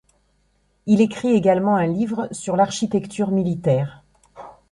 Il écrit également un livre sur l'architecture militaire.